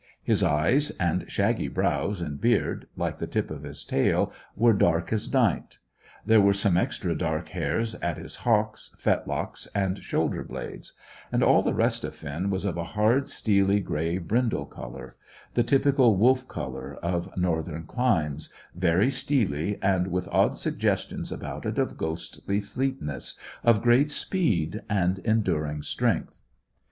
His eyes, and shaggy brows and beard, like the tip of his tail, were dark as night; there were some extra dark hairs at his hocks, fetlocks and shoulder blades; and all the rest of Finn was of a hard, steely grey brindle colour; the typical wolf colour of northern climes, very steely, and with odd suggestions about it of ghostly fleetness, of great speed and enduring strength.